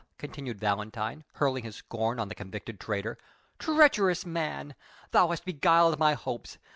continued Valentine, hurling his scorn on the convicted traitor. "Treacherous man! Thou hast beguiled my hopes!